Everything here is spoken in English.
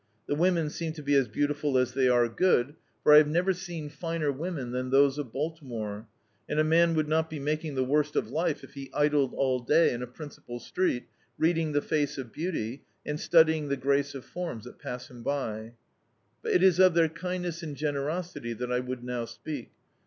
The women seem to be as beautiful as they are good, D,i.,.db, Google A Strange Cattleman for I have never seen finer women than those of Baltimore^ and a man would not be making the worst of life if be idled all day in a principal street, reading the face of beauty, and studying the grace of forms that pass him by. But it is of their kind ness and generosity that I would now speak.